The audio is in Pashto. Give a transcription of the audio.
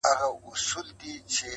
بيا به زه نه يمه عبث راپسې وبه ژاړې,